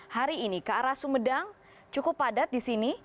hari ini ke arah sumedang cukup padat di sini